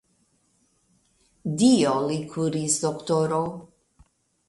Dio li kuris, doktoro.